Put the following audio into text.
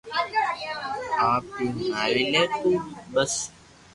آپ ھي ھڻاو لي تو بس